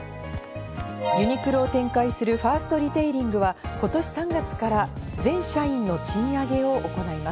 ユニクロを展開するファーストリテイリングは今年３月から全社員の賃上げを行います。